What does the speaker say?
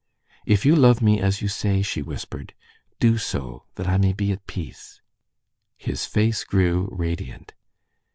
"If you love me, as you say," she whispered, "do so that I may be at peace." His face grew radiant.